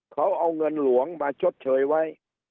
เขาเอาเงินหลวงมาชดเชยไว้